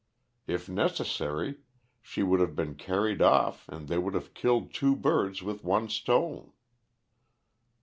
If necessary, she would have been carried off and they would have killed two birds with one stone."